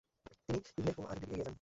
তিনি ইবনে কুময়ার দিকে এগিয়ে যান।